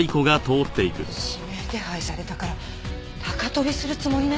指名手配されたから高飛びするつもりね。